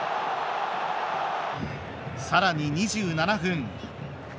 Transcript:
さらに２７分。